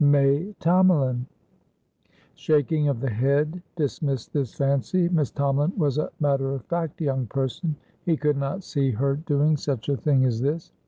May Tomalin? Shaking of the head dismissed this fancy. Miss Tomalin was a matter of fact young person; he could not see her doing such a thing as this.